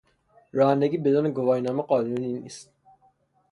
رانندگی بدون گواهینامه قانونی نیست.